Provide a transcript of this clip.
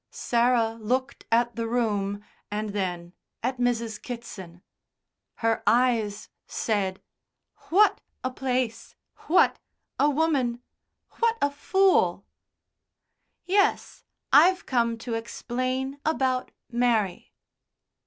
Sarah looked at the room and then at Mrs. Kitson. Her eyes said: "What a place! What a woman! What a fool!" "Yes, I've come to explain about Mary."